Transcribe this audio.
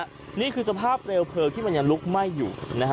ที่จะดูคือสภาพเร็วเผลอที่มันยังลุกแม่อยู่